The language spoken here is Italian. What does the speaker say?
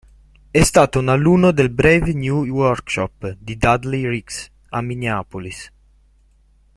È stato un alunno del Brave New Workshop di Dudley Riggs, a Minneapolis.